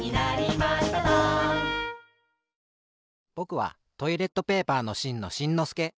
ぼくはトイレットペーパーのしんのしんのすけ。